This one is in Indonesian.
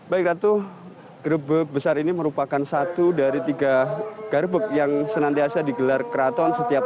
baik ratu grebek besar ini merupakan satu dari tiga gerbek yang senantiasa digelar keraton setiap